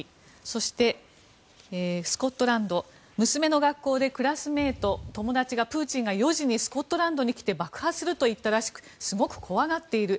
そして、スコットランド娘の学校でクラスメート、友達がプーチンが４時にスコットランドに来て爆破すると言ったらしくすごく怖がっている。